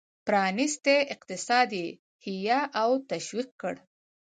پرانیستی اقتصاد یې حیه او تشویق کړ.